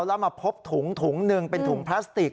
แล้วมาพบถุงถุงหนึ่งเป็นถุงพลาสติก